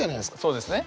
そうですね。